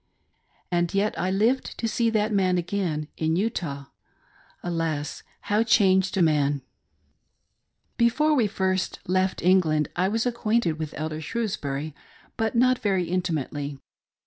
And yet I lived to see that man again, in Utah — a^^ how changed a man ! Before we first left England I was acquainted with Eldes Shrewsbury, but not very intimately.